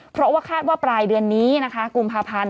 เพราะว่าคาดว่าปลายเดือนนี้นะคะกุมภาพันธ์